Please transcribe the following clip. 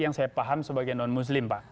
yang saya paham sebagai non muslim pak